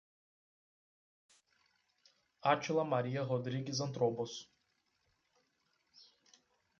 Atila Maria Rodrigues Antrobos